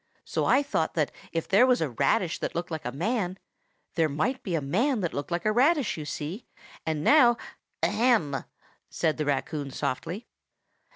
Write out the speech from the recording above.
So I thought that if there was a radish that looked like a man, there might be a man that looked like a radish, you see. And now—" "Ahem!" said the raccoon softly.